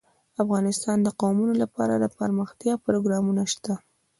افغانستان کې د قومونه لپاره دپرمختیا پروګرامونه شته.